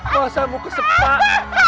masa bu kesepak